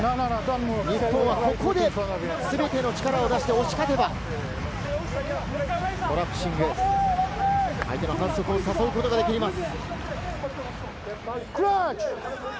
日本はここで全ての力を出して押し勝てばコラプシング、相手の反則を誘うことができます。